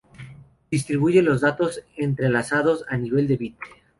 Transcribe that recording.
Distribuye los datos entrelazadas a nivel de bit.